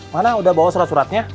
mana udah bawa surat suratnya